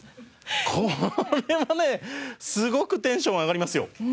これもねすごくテンション上がりますよ！